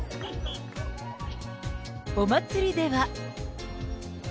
お祭りでは。